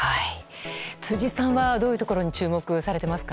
辻さんはどういうところに注目されていますか？